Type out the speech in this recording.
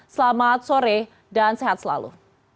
selamat sore dan sehat selalu